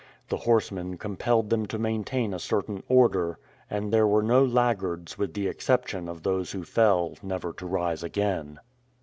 The horsemen compelled them to maintain a certain order, and there were no laggards with the exception of those who fell never to rise again.